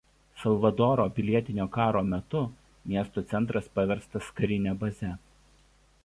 Salvadoro pilietinio karo metu miesto centras paverstas karine baze.